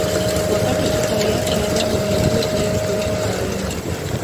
wakati sukari yako ya damu ni ya juu zaidi kuliko kawaida